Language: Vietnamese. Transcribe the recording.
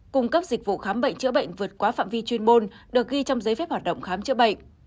cung cấp dịch vụ khám bệnh chữa bệnh vượt quá phạm vi chuyên môn được ghi trong giấy phép hoạt động khám chữa bệnh